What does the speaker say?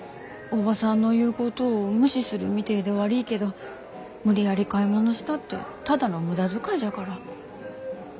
おばさんの言うことを無視するみてえで悪いけど無理やり買い物したってただの無駄遣いじゃから。